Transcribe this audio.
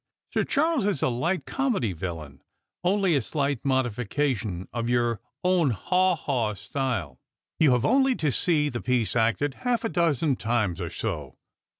Sir Charles is a hght comedy villain ; only a slight modification of your own haw haw style. You have only to see the piece acted half a dozen times or so.